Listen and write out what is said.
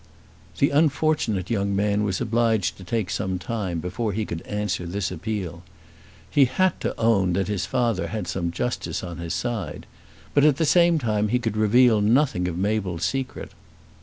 The unfortunate young man was obliged to take some time before he could answer this appeal. He had to own that his father had some justice on his side, but at the same time he could reveal nothing of Mabel's secret.